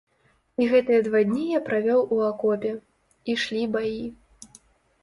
І гэтыя два дні я правёў у акопе, ішлі баі.